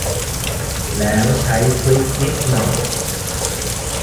แล้ว ใช้ทริค นิดหน่อย